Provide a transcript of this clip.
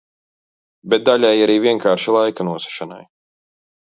Bet daļēji arī vienkārši laika nosišanai.